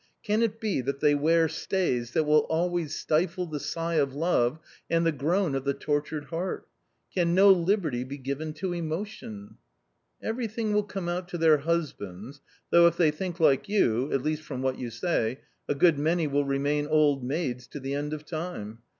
Can it be that they wear stays that will always stifle the sigh of love and the groan of the tortured heart ? Can no liberty be given to emotion ?"" Everything will come out to their husbands, though if they think like you — at least from what you say — a good many will remain old maids to the end of time.